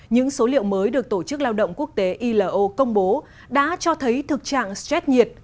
những số liệu mới được tổ chức lao động quốc tế ilo công bố đã cho thấy thực trạng stress nhiệt